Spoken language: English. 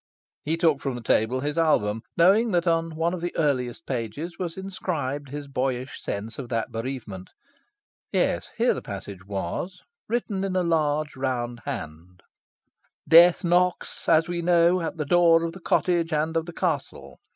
He took from the table his album, knowing that on one of the earliest pages was inscribed his boyish sense of that bereavement. Yes, here the passage was, written in a large round hand: "Death knocks, as we know, at the door of the cottage and of the castle.